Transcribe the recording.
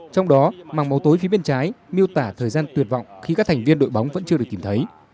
trong đó màng màu tối phía bên trái miêu tả thời gian tuyệt vọng khi các thành viên đội bóng vẫn chưa được tìm thấy